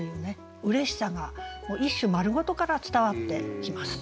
嬉しさが一首丸ごとから伝わってきます。